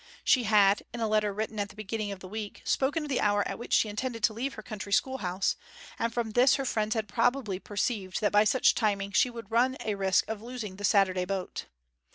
She had, in a letter written at the beginning of the week, spoken of the hour at which she intended to leave her country schoolhouse; and from this her friends had probably perceived that by such timing she would run a risk of losing the Saturday boat.